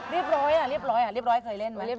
รีบร้อยเคยเล่นไหม